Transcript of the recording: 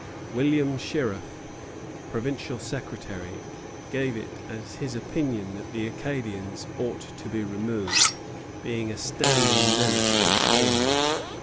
William Shirreff, provincial secretary, gave it as his opinion that the Acadians ought to be removed, being a standing menace to the colony.